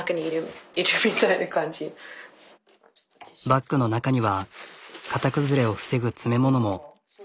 バッグの中には型崩れを防ぐ詰め物も。